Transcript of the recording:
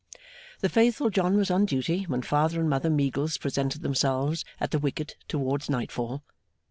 The faithful John was on duty when Father and Mother Meagles presented themselves at the wicket towards nightfall.